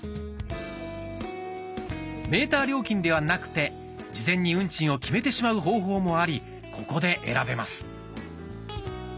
メーター料金ではなくて事前に運賃を決めてしまう方法もありここで選べます。